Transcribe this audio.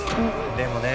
でもね